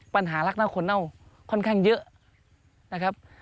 ปัญหารักษณะคนเน่าค่อนข้างเยอะ